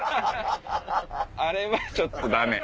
あれはちょっとダメ。